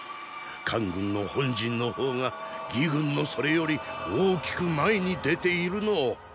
韓軍の本陣の方が魏軍のそれより大きく前に出ているのを。